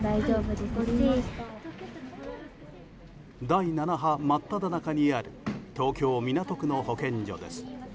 第７波真っただ中にある東京・港区の保健所です。